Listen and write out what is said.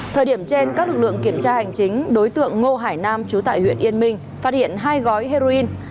thời điểm trên các lực lượng kiểm tra hành chính đối tượng ngô hải nam trú tại huyện yên minh phát hiện hai gói heroin